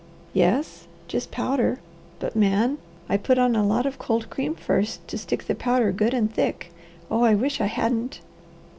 "Yes, just powder, but Man, I put on a lot of cold cream first to stick the powder good and thick. Oh I wish I hadn't!"